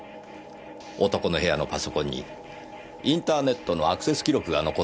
男の部屋のパソコンにインターネットのアクセス記録が残っていたそうですよ。